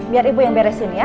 biar ibu yang beresin ya